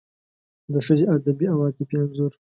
د ښځې ادبي او عاطفي انځور